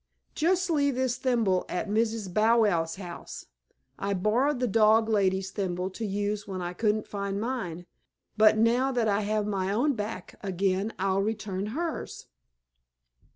"Just leave this thimble at Mrs. Bow Wow's house. I borrowed the dog lady's thimble to use when I couldn't find mine, but now that I have my own back again I'll return hers."